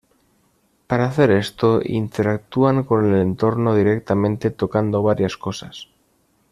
Para hacer esto, interactúan con el entorno directamente tocando varias cosas.